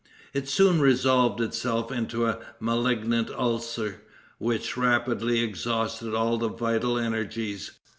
It soon resolved itself into a malignant ulcer, which rapidly exhausted all the vital energies.